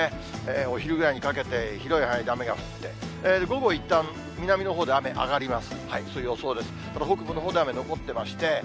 お昼ぐらいにかけて、広い範囲で雨が降って、午後いったん、南のほうで雨上がります。